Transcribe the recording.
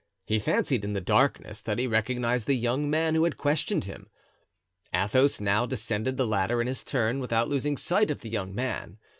He fancied in the darkness that he recognized the young man who had questioned him. Athos now descended the ladder in his turn, without losing sight of the young man.